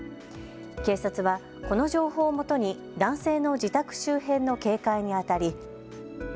警察はこの情報をもとに男性の自宅周辺の警戒にあたり。